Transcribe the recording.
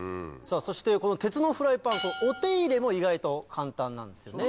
そして鉄のフライパンお手入れも意外と簡単なんですよね。